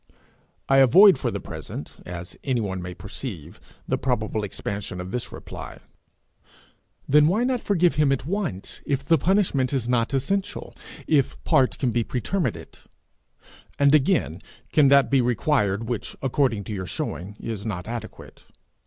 I avoid for the present, as anyone may perceive, the probable expansion of this reply. 'Then why not forgive him at once if the punishment is not essential if part can be pretermitted? And again, can that be required which, according to your showing, is not adequate?